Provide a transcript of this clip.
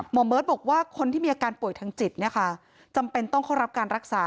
หมอเบิร์ตบอกว่าคนที่มีอาการป่วยทางจิตจำเป็นต้องเข้ารับการรักษา